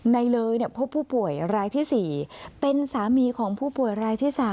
ในเลยพบผู้ป่วยรายที่๔เป็นสามีของผู้ป่วยรายที่๓